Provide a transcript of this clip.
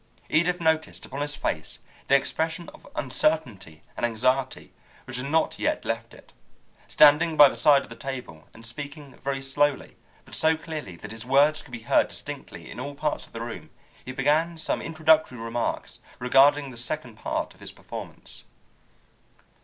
Edith noticed upon his face the expression of uncertainty and anxiety which had not yet left it. Standing by the side of the table, and speaking very slowly, but so clearly that his words could be heard distinctly in all parts of the room, he began some introductory remarks regarding the second part of his performance.